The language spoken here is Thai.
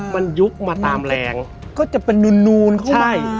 มันยุบมาตามแรงก็จะเป็นนูนเข้าไป